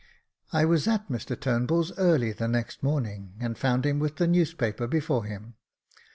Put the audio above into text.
I was at Mr TurnbuU's early the next morning, and found him with the newspaper before him.